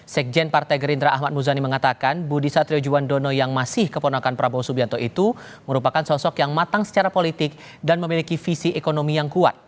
sekjen partai gerindra ahmad muzani mengatakan budi satrio juwandono yang masih keponakan prabowo subianto itu merupakan sosok yang matang secara politik dan memiliki visi ekonomi yang kuat